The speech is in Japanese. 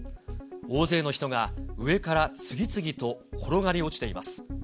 大勢の人が上から次々と転がり落ちています。